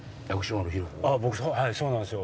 はいそうなんすよ